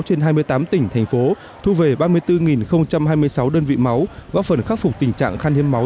trên hai mươi tám tỉnh thành phố thu về ba mươi bốn hai mươi sáu đơn vị máu góp phần khắc phục tình trạng khăn hiếm máu